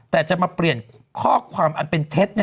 แต่จะมาเปลี่ยนข้อความอันเป็นเท็จ